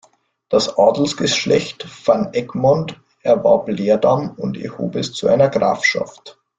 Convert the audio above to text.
Das Adelsgeschlecht Van Egmond erwarb Leerdam und erhob es zu einer Grafschaft.